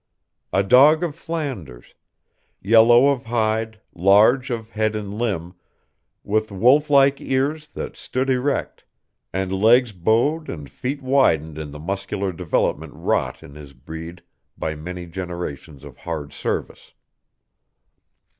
A dog of Flanders yellow of hide, large of head and limb, with wolf like ears that stood erect, and legs bowed and feet widened in the muscular development wrought in his breed by many generations of hard service.